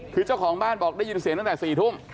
คือเจ้าของบ้านบอกได้ยินเสียงตั้งแต่๔ทุ่ม